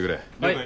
はい。